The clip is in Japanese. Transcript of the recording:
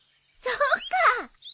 そうか。